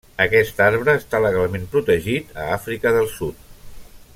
Aquest arbre està legalment protegit a Àfrica del Sud.